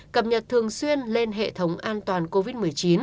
cập nhật thường xuyên lên hệ thống an toàn covid một mươi chín